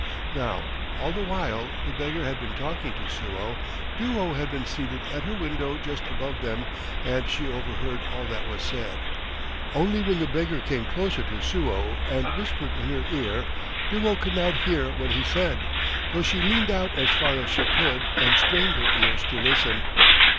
Now all the while the beggar had been talking to Suo, Duo had been seated at her window just above them, and she overheard all that was said. Only when the beggar came closer to Suo and whispered in her ear Duo could not hear what he said, though she leaned out as far as she could and strained her ears to listen.